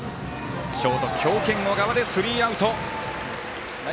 ショート強肩、小川でスリーアウト。